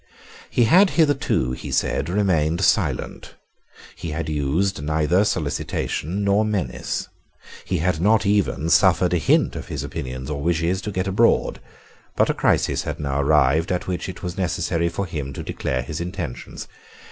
He had hitherto, he said, remained silent; he had used neither solicitation nor menace: he had not even suffered a hint of his opinions or wishes to get abroad: but a crisis had now arrived at which it was necessary for him to declare his intentions.